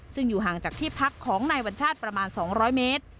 ซึ่งอยู่ห่างจากที่พักของนายวัญชาติประมาณ๒๐๐เมตร